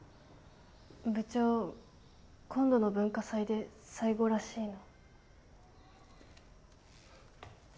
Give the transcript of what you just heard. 部長今度の文化祭で最後らしいの。